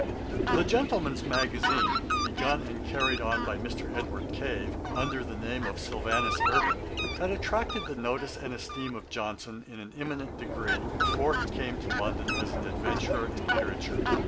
The Gentleman's Magazine, begun and carried on by Mr. Edward Cave, under the name of SYLVANUS URBAN, had attracted the notice and esteem of Johnson, in an eminent degree, before he came to London as an adventurer in literature.